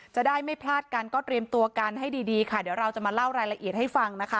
จะได้ไม่พลาดกันก็เตรียมตัวกันให้ดีดีค่ะเดี๋ยวเราจะมาเล่ารายละเอียดให้ฟังนะคะ